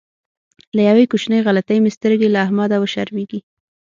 له یوې کوچنۍ غلطۍ مې سترګې له احمده شرمېږي.